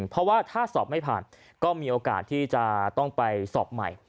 เพราะว่าถ้าสอบไม่ผ่านก็มีโอกาสที่จะต้องไปสอบใหม่